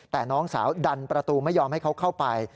แต่น้องสาวดันประตูไม่ยอมให้เขาเข้าไป